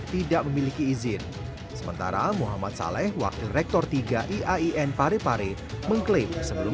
tidak memiliki izin sementara muhammad saleh wakil rektor tiga iain parepare mengklaim sebelum